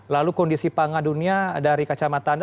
lalu kondisi pangan dunia dari kacamata anda